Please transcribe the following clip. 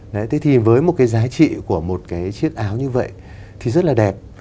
đấy thế thì với một cái giá trị của một cái chiếc áo như vậy thì rất là đẹp